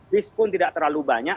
bis pun tidak terlalu banyak